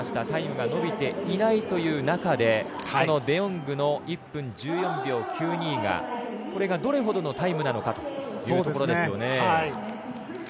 タイムが伸びていないという中でデ・ヨングの１分１４秒９２がこれがどれほどのタイムなのかというところですね。